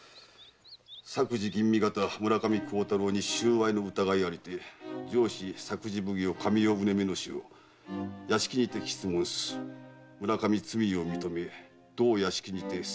「作事吟味方・村上幸太郎に収賄の疑いありて上司作事奉行・神尾采女正屋敷にて詰問す」「村上罪を認め同屋敷にて切腹」